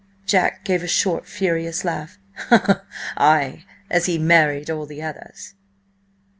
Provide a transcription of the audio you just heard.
Jack gave a short, furious laugh. "Ay! As he married all the others!"